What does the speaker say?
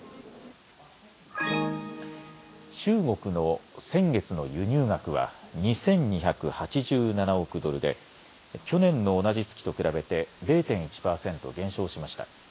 中国の先月の輸入額は２２８７億ドルで、去年の同じ月と比べて０．１％減少しました。